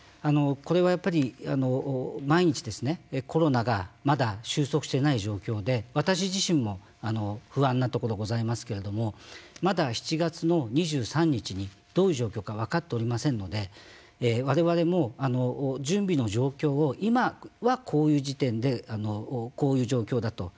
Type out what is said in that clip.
これはやっぱり毎日コロナがまだ収束していない状況で私自身も不安なところがございますけれどもまだ７月の２３日にどういう状況か分かっておりませんのでわれわれも準備の状況を今は、こういう時点でこういう状況だと。